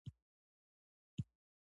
درخانۍ په پلو غوټه کړه ادم، ادم سندرې